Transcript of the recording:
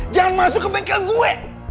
jangan masuk ke bengkel gue